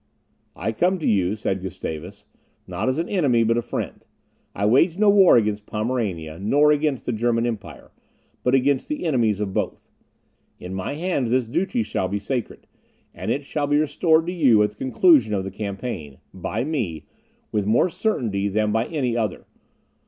"I come to you," said Gustavus, "not as an enemy but a friend. I wage no war against Pomerania, nor against the German empire, but against the enemies of both. In my hands this duchy shall be sacred; and it shall be restored to you at the conclusion of the campaign, by me, with more certainty, than by any other.